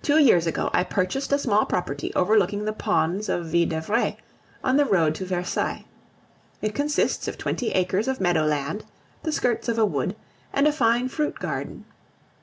Two years ago I purchased a small property overlooking the ponds of Ville d'Avray, on the road to Versailles. It consists of twenty acres of meadow land, the skirts of a wood, and a fine fruit garden.